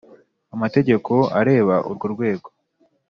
Amategeko areba urwo rwego